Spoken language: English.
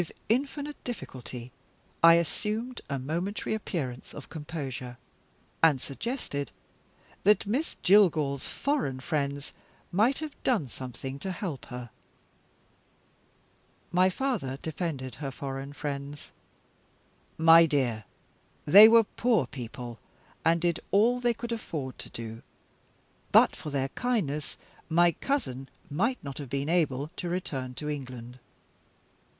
With infinite difficulty I assumed a momentary appearance of composure, and suggested that Miss Jillgall's foreign friends might have done something to help her. My father defended her foreign friends. "My dear, they were poor people, and did all they could afford to do. But for their kindness, my cousin might not have been able to return to England."